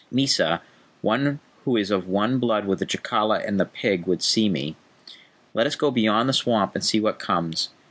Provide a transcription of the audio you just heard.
"Mysa, who is of one blood with Jacala and the pig, would see me. Let us go beyond the swamp and see what comes.